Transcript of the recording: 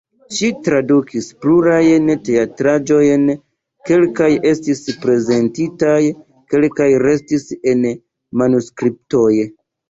Ŝi tradukis plurajn teatraĵojn, kelkaj estis prezentitaj, kelkaj restis en manuskriptoj.